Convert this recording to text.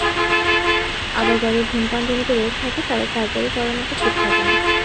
আবার যাঁদের ধূমপানজনিত রোগ থাকে, তাঁরা সার্জারি করার মতো ফিট থাকেন না।